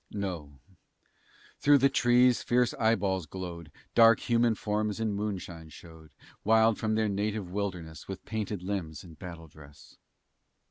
No, through the trees fierce eyeballs glowed, Dark human forms in moonshine showed, Wild from their native wilderness, With painted limbs and battle dress!